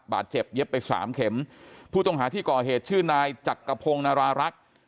บาดเจ็บเย็บไปสามเข็มผู้ต้องหาที่ก่อเหตุชื่อนายจักรพงศ์นารารักษ์